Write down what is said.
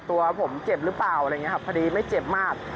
ตัวผมเจ็บหรือเปล่าพอดีไม่เจ็บมาก